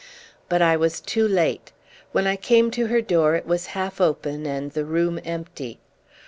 But I was too late. When I came to her door it was half open and the room empty.